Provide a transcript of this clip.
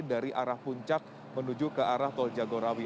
dari arah puncak menuju ke arah tol jagorawi